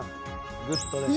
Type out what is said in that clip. グッドです。